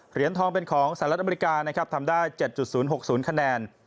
เหรียญทองเป็นของสหรัฐอเมริกานะครับทำได้๗๐๖๐คะแนน